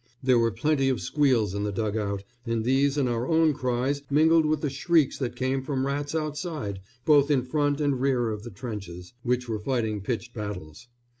There were plenty of squeals in the dug out, and these and our own cries mingled with the shrieks that came from rats outside, both in front and rear of the trenches, which were fighting pitched battles.